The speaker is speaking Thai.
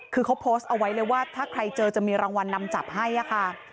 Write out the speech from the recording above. คือเขาโพสต์เอาไว้เลยว่าถ้าใครเจอจะมีรางวัลนำจับให้ค่ะ